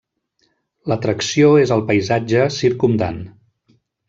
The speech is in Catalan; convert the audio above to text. L'atracció és el paisatge circumdant.